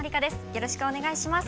よろしくお願いします。